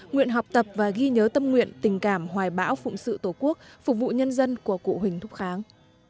nguyện học tập và ghi nhớ tâm nguyện tình cảm hoài bão phụng sự tổ quốc phục vụ nhân dân của cụ huỳnh thúc kháng